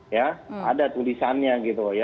ya ada tulisannya gitu